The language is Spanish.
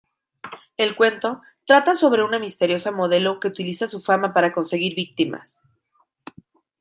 El cuento trata sobre una misteriosa modelo que utiliza su fama para conseguir víctimas.